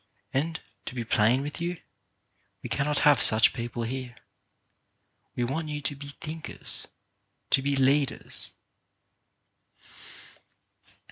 And, to be plain with you, we cannot have such people here. We want you to be thinkers, to be leaders.